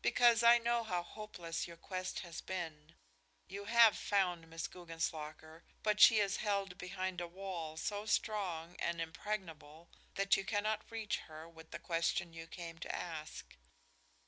"Because I know how hopeless your quest has been. You have found Miss Guggenslocker, but she is held behind a wall so strong and impregnable that you cannot reach her with the question you came to ask.